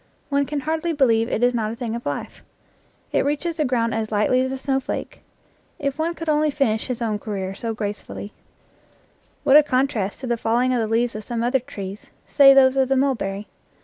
One can hardly believe it is not a thing of life. It reaches the ground as lightly as a snowflake. If one could only finish his own career as gracefully*. What a contrast to the falling of the leaves of some other trees, say those of the mulberry!